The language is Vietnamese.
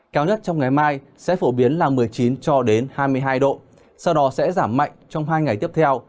cao nhất trong ngày mai sẽ phổ biến là một mươi chín cho đến hai mươi hai độ sau đó sẽ giảm mạnh trong hai ngày tiếp theo